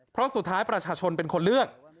เพราะสุดท้ายประชาชนเป็นคนเลือก